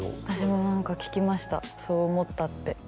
私も何か聞きましたそう思ったって。